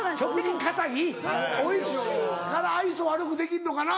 おいしいから愛想悪くできんのかな？